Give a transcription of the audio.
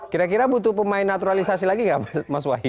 kira kira butuh pemain naturalisasi lagi nggak mas wahyu